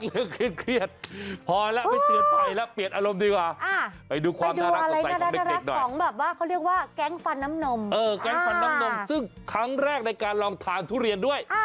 เออแค่ฟันน้ำนมซึ่งครั้งแรกในการลองทานทุเรียนด้วย